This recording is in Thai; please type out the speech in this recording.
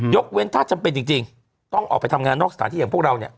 เว้นถ้าจำเป็นจริงต้องออกไปทำงานนอกสถานที่อย่างพวกเราเนี่ย